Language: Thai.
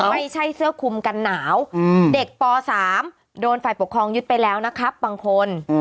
ไม่ใช่เสื้อคุมกันหนาวเด็กป๓โดนฝ่ายปกครองยึดไปแล้วนะครับบางคน